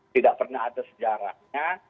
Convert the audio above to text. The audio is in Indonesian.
tidak pernah ada sejarahnya